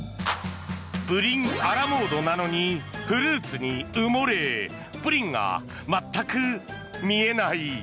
プリンアラモードなのにフルーツに埋もれプリンが全く見えない。